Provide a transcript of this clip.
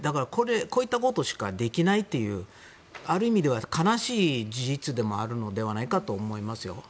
こういったことしかできないというある意味では悲しい事実でもあるのではないかと思いますよ。